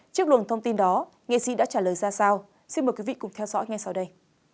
trước luồng thông tin đó nghệ sĩ đã trả lời ra sao xin mời quý vị cùng theo dõi ngay sau đây